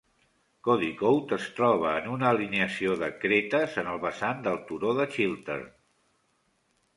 Codicote es troba en una alineació de cretes en el vessant del turó de Chiltern.